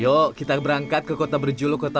yuk kita berangkat ke kota berjuluk kota